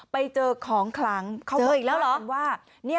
ไปเจอของขลังเขาบอกว่าเจออีกแล้วเหรอ